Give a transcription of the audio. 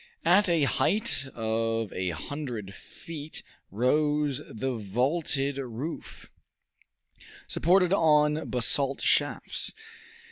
At a height of a hundred feet rose the vaulted roof, supported on basalt shafts.